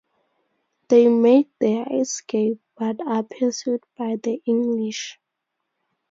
They make their escape but are pursued by the English.